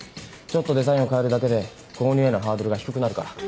ちょっとデザインを変えるだけで購入へのハードルが低くなるから。